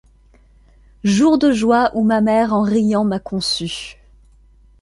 Jour de joie où ma mère en riant m’a conçu!